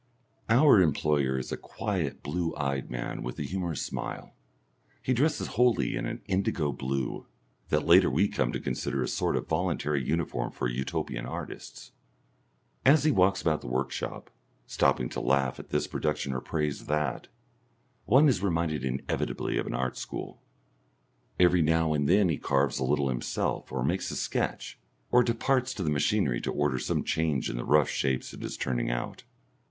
Our employer is a quiet blue eyed man with a humorous smile. He dresses wholly in an indigo blue, that later we come to consider a sort of voluntary uniform for Utopian artists. As he walks about the workshop, stopping to laugh at this production or praise that, one is reminded inevitably of an art school. Every now and then he carves a little himself or makes a sketch or departs to the machinery to order some change in the rough shapes it is turning out.